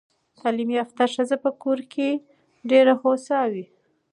تعلیم یافته ښځه په کور کې ډېره هوسا وي.